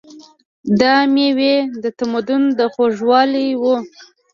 دا مېوې د تمدن خوږوالی و.